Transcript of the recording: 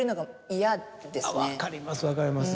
あっ分かります